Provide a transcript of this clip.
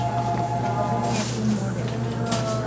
অবনী এক জন মডেল।